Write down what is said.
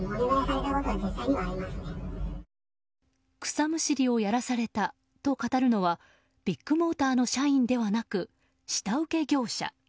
草むしりをやらされたと語るのはビッグモーターの社員ではなく下請け業者。